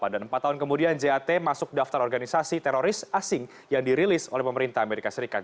dan empat tahun kemudian jat masuk daftar organisasi teroris asing yang dirilis oleh pemerintah amerika serikat